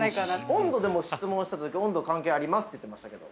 ◆温度質問したときに温度関係ありますって言ってましたけど。